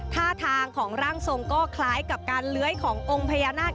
ท่าทางของร่างทรงก็คล้ายกับการเลื้อยขององค์พญานาค